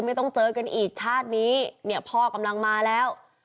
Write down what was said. ไม่ต้องเจอกันอีกชาตินี้เนี่ยพ่อกำลังมาแล้ว